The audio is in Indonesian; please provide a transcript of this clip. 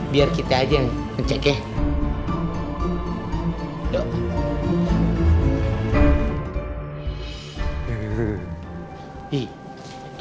biar kita aja yang ngecek ya